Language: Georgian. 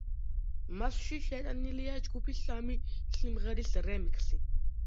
მასში შეტანილია ჯგუფის სამი სიმღერის რემიქსი.